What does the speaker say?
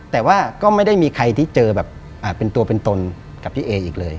แต่ว่าก็ไม่ได้มีใครที่เจอแบบเป็นตัวเป็นตนกับพี่เออีกเลย